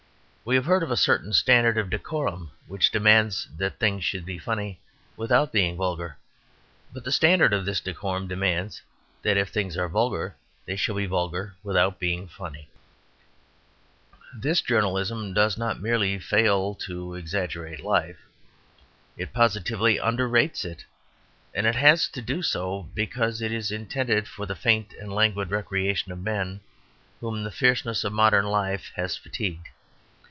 We have heard of a certain standard of decorum which demands that things should be funny without being vulgar, but the standard of this decorum demands that if things are vulgar they shall be vulgar without being funny. This journalism does not merely fail to exaggerate life it positively underrates it; and it has to do so because it is intended for the faint and languid recreation of men whom the fierceness of modern life has fatigued.